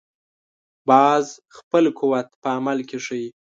باز خپل قوت په عمل کې ښيي